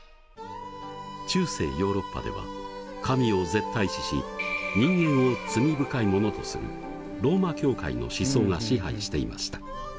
中世ヨーロッパでは神を絶対視し人間を罪深いものとするローマ教会の思想が支配していました。